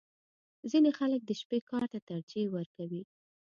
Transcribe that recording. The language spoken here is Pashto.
• ځینې خلک د شپې کار ته ترجیح ورکوي.